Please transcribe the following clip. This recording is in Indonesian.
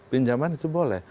pinjaman itu boleh